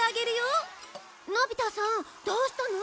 のび太さんどうしたの？